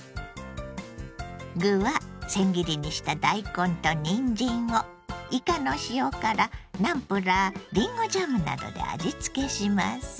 具はせん切りにした大根とにんじんをいかの塩辛ナムプラーりんごジャムなどで味付けします。